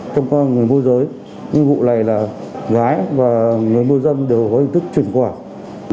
trong con người môi giới vụ này là gái và người môi dâm đều có hình thức chuyển khoản